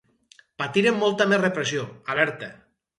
Patirem molta més repressió, alerta.